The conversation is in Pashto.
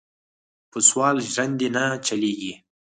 پۀ سوال ژرندې نۀ چلېږي.